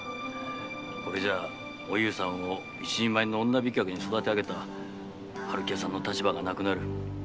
これではおゆうさんを一人前の女飛脚に育てあげた春喜屋さんの立場がなくなるよ。